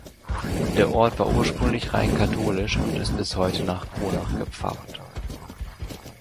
Der Ort war ursprünglich rein katholisch und ist bis heute nach Kronach gepfarrt.